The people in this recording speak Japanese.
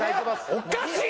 おかしい！